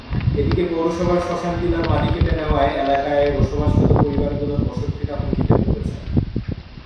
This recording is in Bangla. এদিকে পৌরসভার শ্মশান টিলার মাটি কেটে নেওয়ায় এলাকায় বসবাসরত পরিবারগুলোর বসতভিটা হুমকিতে পড়েছে।